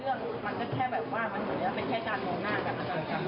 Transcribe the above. เรื่องมันก็แค่แบบว่ามันเหมือนกับเป็นแค่การมองหน้ากันนะครับ